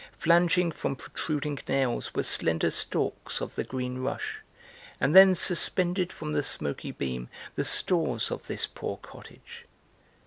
Flanging from protruding nails Were slender stalks of the green rush; and then Suspended from the smoky beam, the stores Of this poor cottage.